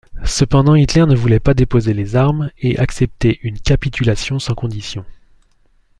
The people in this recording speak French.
Cependant Hitler ne voulait pas déposer les armes et accepter une capitulation sans conditions.